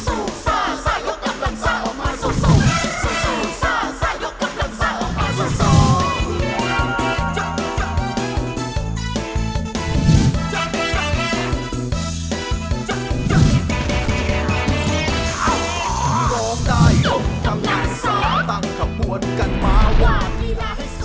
ร้องได้ยกกำลังซ้อตั้งขบวนกันมาว่ามีหลาย